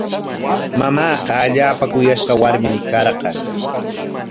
Mamaaqa allaapa kuyashqa warmin karqan.